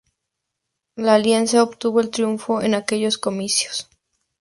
La alianza obtuvo el triunfo en aquellos comicios.